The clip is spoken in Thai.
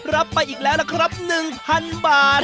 รับไปอีกแล้วล่ะครับ๑๐๐๐บาท